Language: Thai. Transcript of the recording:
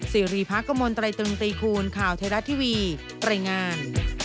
สิริพักกมลตรายตึงตีคูณข่าวไทยรัฐทีวีรายงาน